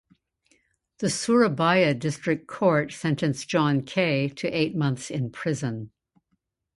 The Surabaya District Court sentenced John Kei to eight months in prison.